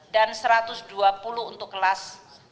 dan rp satu ratus dua puluh untuk kelas satu